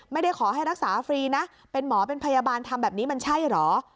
ไม่ได้ขอให้รักษาฟรีนะเป็นหมอเป็นพยาบาลทำแบบนี้มันใช่เหรอ